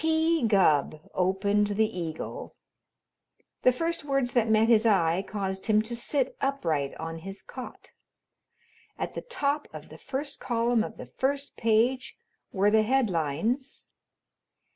P. Gubb opened the "Eagle." The first words that met his eye caused him to sit upright on his cot. At the top of the first column of the first page were the headlines.